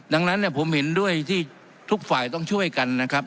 ดังนั้นผมเห็นด้วยที่ทุกฝ่ายต้องช่วยกันนะครับ